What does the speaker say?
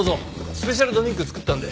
スペシャルドリンク作ったんで。